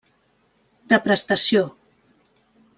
De prestació: